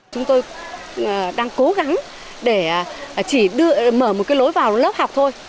chúng tôi đang cố gắng để chỉ mở một cái lối vào lớp học thôi